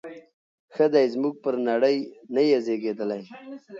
ښه دی زموږ پر نړۍ نه یې زیږیدلی